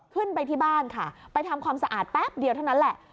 ขึ้นไปที่บ้านค่ะไปทำความสะอาดแป๊บเดียวเท่านั้นแหละ